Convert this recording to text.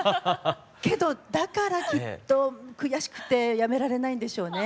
けどだからきっと悔しくてやめられないんでしょうね。